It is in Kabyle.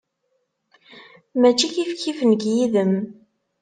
Mačči kifkif nekk yid-m.